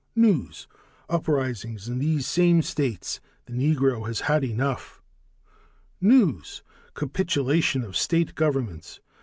News: Uprisings in these same states. The Negro has had enough. News: Capitulation of state governments.